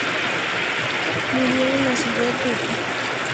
Murió en la ciudad de Ica.